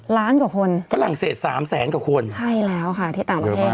ล้านกว่าคนฝรั่งเศสสามแสนกว่าคนใช่แล้วค่ะที่ต่างประเทศ